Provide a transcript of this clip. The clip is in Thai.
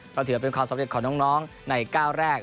เพราะถือเป็นความสำเร็จของน้องในก้าวแรก